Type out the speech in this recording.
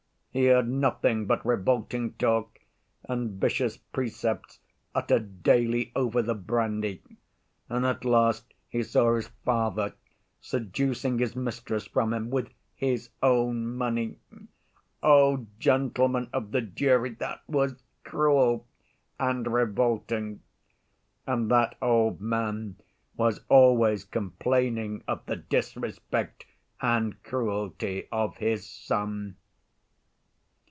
He heard nothing but revolting talk and vicious precepts uttered daily over the brandy, and at last he saw his father seducing his mistress from him with his own money. Oh, gentlemen of the jury, that was cruel and revolting! And that old man was always complaining of the disrespect and cruelty of his son.